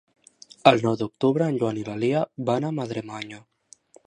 El nou d'octubre en Joan i na Lia van a Madremanya.